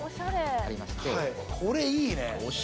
これいいね！